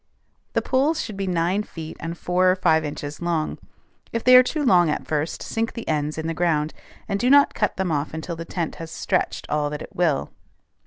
The poles should be nine feet and four or five inches long. If they are too long at first, sink the ends in the ground, and do not cut them off until the tent has stretched all that it will.